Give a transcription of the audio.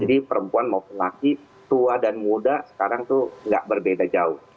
jadi perempuan mau laki tua dan muda sekarang itu nggak berbeda jauh